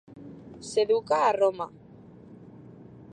S'educa a Roma.